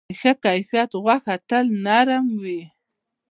د ښه کیفیت غوښه تل نرم وي.